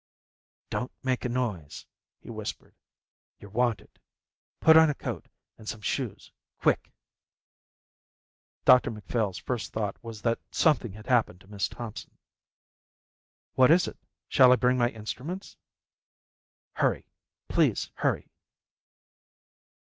"Don't make a noise," he whispered. "You're wanted. Put on a coat and some shoes. Quick." Dr Macphail's first thought was that something had happened to Miss Thompson. "What is it? Shall I bring my instruments?" "Hurry, please, hurry."